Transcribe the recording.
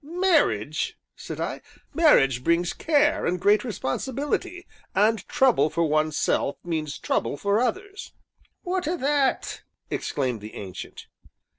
"Marriage!" said I; "marriage brings care, and great responsibility, and trouble for one's self means trouble for others." "What o' that?" exclaimed the Ancient.